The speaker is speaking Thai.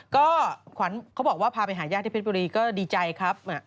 ก็ขวัญเขาบอกว่าพาไปหาญาติที่เพชรบุรีก็ดีใจครับ